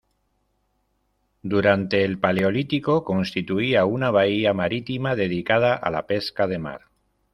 Durante el paleolítico constituía una bahía marítima dedicada a la pesca de mar.